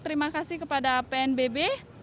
terima kasih kepada pnbb